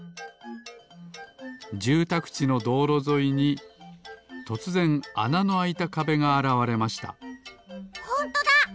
じゅうたくちのどうろぞいにとつぜんあなのあいたかべがあらわれましたほんとだ！